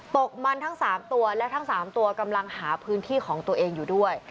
ตกมันทั้ง๓ตัวและทั้ง๓ตัวกำลังหาพื้นที่ของตัวเองอยู่ด้วย